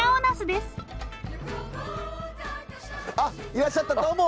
いらっしゃったどうも。